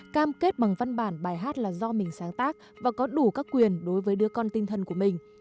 cam kết bằng văn bản bài hát là do mình sáng tác và có đủ các quyền đối với đứa con tinh thần của mình